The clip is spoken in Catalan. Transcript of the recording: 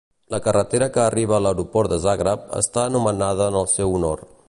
La carretera que arriba a l'aeroport de Zagreb està anomenada en el seu honor.